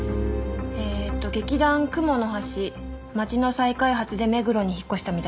えーっと劇団雲の端街の再開発で目黒に引っ越したみたいです。